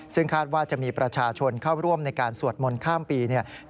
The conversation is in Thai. ซึ่งคาดว่าจะมีประชาชนเข้าร่วมในการสวดมนต์ข้ามปีเนี่ย